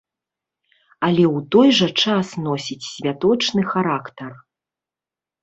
Але ў той жа час носіць святочны характар.